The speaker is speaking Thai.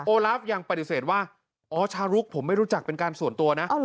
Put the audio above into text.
ลาฟยังปฏิเสธว่าอ๋อชาลุกผมไม่รู้จักเป็นการส่วนตัวนะ